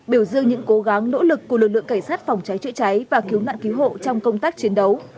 biểu dương những cố gắng nỗ lực của lực lượng cảnh sát phòng cháy chữa cháy và cứu nạn cứu hộ trong công tác chiến đấu